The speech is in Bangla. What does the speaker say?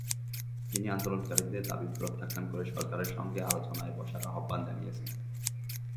তিনি আন্দোলনকারীদের দাবি প্রত্যাখ্যান করে সরকারের সঙ্গে আলোচনায় বসার আহ্বান জানিয়েছেন।